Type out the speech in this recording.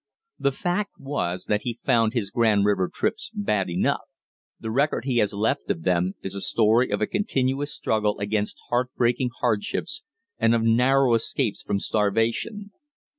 The fact was that he found his Grand River trips bad enough; the record he has left of them is a story of a continuous struggle against heartbreaking hardships and of narrow escapes from starvation.